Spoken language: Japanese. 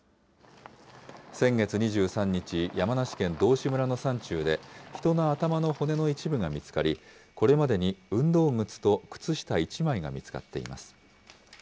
先月２３日、山梨県道志村の山中で、人の頭の骨の一部が見つかり、これまでに運動靴と靴下１枚が見つかっています。